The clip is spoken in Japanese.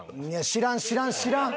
知らん知らん知らん！